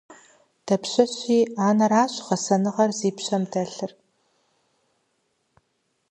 Дапщэщи анэращ гъэсэныгъэр зи пщэ дэлъыр.